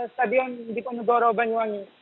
stadion di punggoro banyuwangi